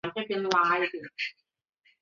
欢迎大家拍照打卡和我们分享喔！